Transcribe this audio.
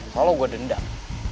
kalau gue dendam